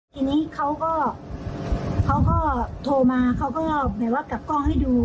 ทีนี้เขาก็โทรมาเขากลับกล้องให้ดู